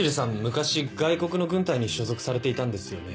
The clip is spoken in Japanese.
昔外国の軍隊に所属されていたんですよね。